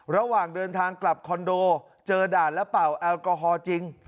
ระหว่างเดินทางกลับคอนโดเจอด่านและเป่าแอลกอฮอล์จริง